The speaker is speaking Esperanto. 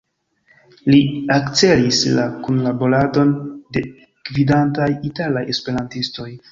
Li akcelis la kunlaboradon de gvidantaj italaj Esperantistoj.